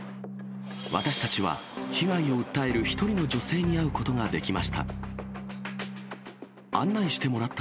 私たちは被害を訴える１人の女性に会うことができました。